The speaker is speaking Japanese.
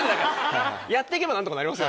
やって行けば何とかなります。